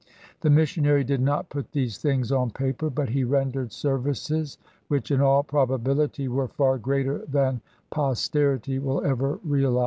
The missionary did not put these things on paper, but he rendered services which in all probability were far greater than posterity will ever realize.